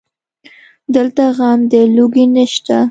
دلته غم د لوږې نشته